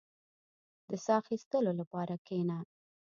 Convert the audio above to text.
• د ساه اخيستلو لپاره کښېنه.